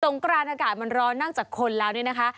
ตรงกลานอากาศมันร้อนนั่งจากคนแล้วนี่นะคะ